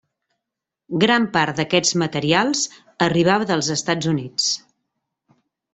Gran part d'aquests materials arribava dels Estats Units.